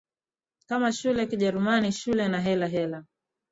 kama shule Kijerumani Schule na hela Heller